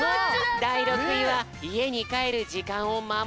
だい６いは「いえにかえるじかんをまもる」。